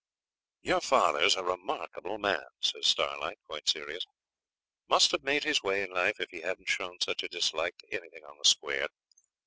'Your father's a remarkable man,' says Starlight, quite serious; 'must have made his way in life if he hadn't shown such a dislike to anything on the square.